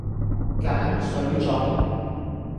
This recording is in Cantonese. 鹼水粽